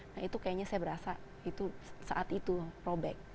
nah itu kayaknya saya berasa itu saat itu robek